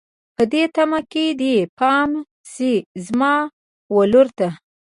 په دې تمه که دې پام شي زما ولور ته